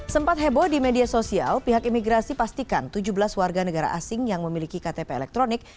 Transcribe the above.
sempat heboh di media sosial pihak imigrasi pastikan tujuh belas warga negara asing yang memiliki ktp elektronik